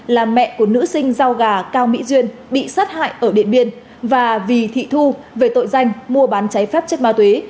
là mẹ của nữ sinh rau gà cao mỹ duyên bị sát hại ở điện biên và vì thị thu về tội danh mua bán cháy phép chất ma túy